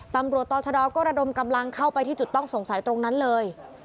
ตำรวจต่อชะดอก็ระดมกำลังเข้าไปที่จุดต้องสงสัยตรงนั้นเลย